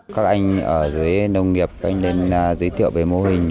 các anh ở dưới nông nghiệp các anh lên giới thiệu về mô hình